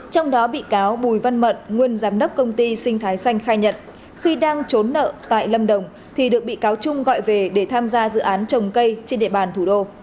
trong đó bị cáo bùi văn mận nguyên giám đốc công ty sinh thái xanh khai nhận khi đang trốn nợ tại lâm đồng thì được bị cáo trung gọi về để tham gia dự án trồng cây trên địa bàn thủ đô